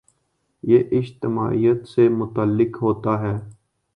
یہ اجتماعیت سے متعلق ہوتا ہے۔